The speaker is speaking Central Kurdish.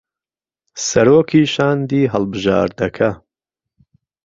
سهرۆکى شاندى ههڵبژاردهکه